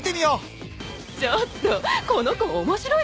ちょっとこの子面白いじゃない。